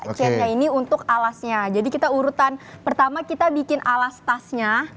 chatnya ini untuk alasnya jadi kita urutan pertama kita bikin alas tasnya